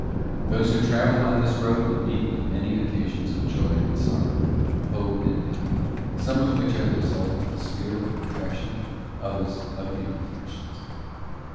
Those who travel on this road will meet with many occa sions of joy and sorrow, hope and pain, some of which are the result of the spirit of perfection, others of imperfections.